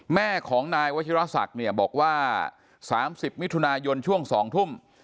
แม่ของนายวชิราษัทบอกว่า๓๐มิถุนายนช่วง๒ทุ่ม